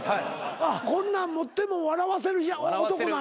こんなん持っても笑わせる男なのか。